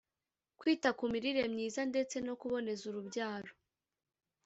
kwita ku mirire myiza ndetse no kuboneza urubyaro